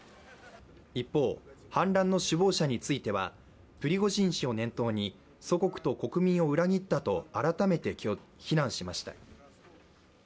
一方、反乱の首謀者についてはプリゴジン氏を念頭に祖国と国民を裏切ったと改めて非難しました。